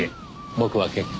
僕は結構。